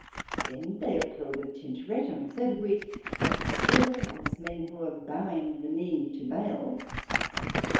Then they applauded Tintoretto, and so did we, but still as men who were bowing the knee to Baal.